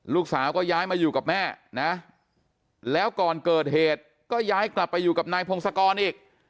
ลูกสาวก็ย้ายมาอยู่กับแม่นะแล้วก่อนเกิดเหตุก็ย้ายกลับไปอยู่กับนายพงศกรอีก